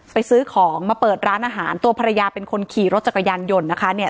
ซื้อของมาเปิดร้านอาหารตัวภรรยาเป็นคนขี่รถจักรยานยนต์นะคะเนี่ย